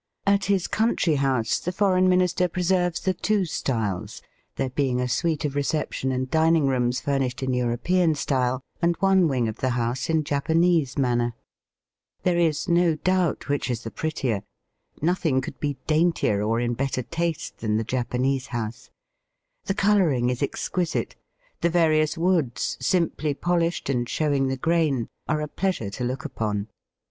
At his country house the Foreign Minister preserves the two styles, there being a suite of reception and dining rooms furnished in European style, and one wing of the house in Japanese manner. There is no doubt which YOL. n. 20 Digitized by VjOOQIC 'Z EAST BY WEST. is the prettier. Nothing could he daintier or in better taste than the Japanese house. The colouring is exquisite; the various woods, simply polished and showing the grain, are a pleasure to look upon.